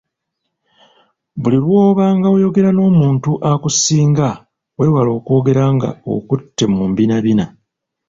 Buli lw’obanga oyogera n’omuntu akusingako weewale okwogera nga okutte mu mbinabina.